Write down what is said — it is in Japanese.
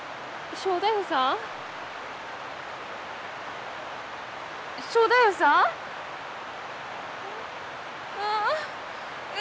正太夫さんが！